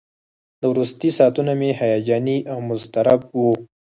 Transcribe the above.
دا وروستي ساعتونه مې هیجاني او مضطرب وو.